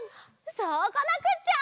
そうこなくっちゃ！